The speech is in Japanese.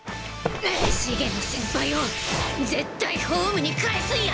茂野先輩を絶対ホームにかえすんや！